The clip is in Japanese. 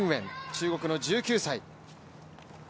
中国の１９歳。